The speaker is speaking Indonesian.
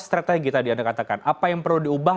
strategi tadi anda katakan apa yang perlu diubah